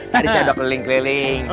tadi saya sudah keliling keliling